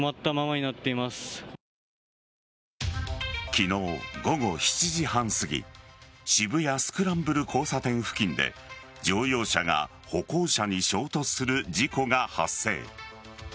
昨日午後７時半すぎ渋谷スクランブル交差点付近で乗用車が歩行者に衝突する事故が発生。